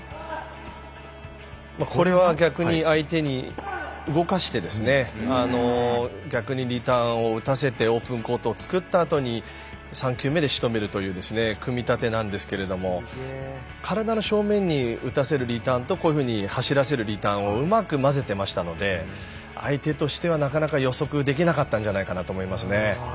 これは逆に相手に動かして逆にリターンを打たせてオープンコートを作ったあとに３球目で仕留めるという組み立てですけれども体の正面に打たせるリターンと走らせるリターンをうまくまぜていましたので相手としてはなかなか予測できなかったのではと思いますね。